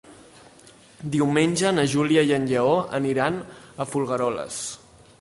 Diumenge na Júlia i en Lleó aniran a Folgueroles.